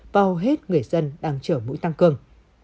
vào hết người dân đang chở mũi tăng cường